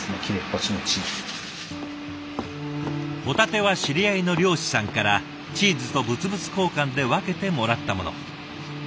ホタテは知り合いの漁師さんからチーズと物々交換で分けてもらったもの。